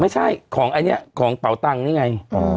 ไม่ใช่ของอันนี้ของเป่าตังค์นี่ไง